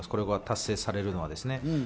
これが達成されるのはですね。